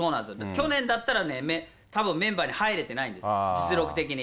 去年だったらね、たぶんメンバーに入れてないんです、実力的に。